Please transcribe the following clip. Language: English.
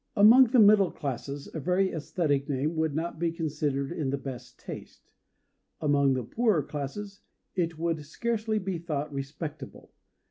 Among the middle classes a very æsthetic name would not be considered in the best taste; among the poorer classes, it would scarcely be thought respectable.